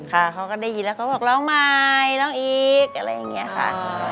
เขาก็ได้ยินแล้วเขาบอกร้องใหม่ร้องอีกอะไรอย่างนี้ค่ะ